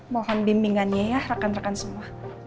mohon bimbingannya ya rekan rekan semua